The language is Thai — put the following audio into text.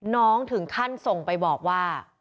น้องถึงขั้นส่งไปบอกว่า